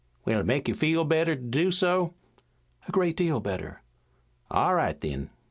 "Will it make you feel better to do so?" "A great deal better." "All right, then."